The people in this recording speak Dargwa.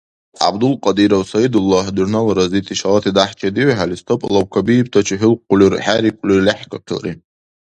ГӀябдулкьадиров СягӀидуллагь, дурхӀнала разити, шалати дяхӀ чедиухӀели, стол-алав кабиибтачи хӀулкӀули хӀерикӀули, лехӀкахъилри.